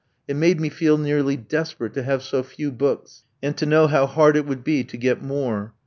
It made me feel nearly desperate to have so few books, and to know how hard it would be to get more.